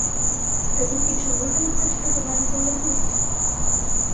Та тільки чому ви не хочете до мене повернутись?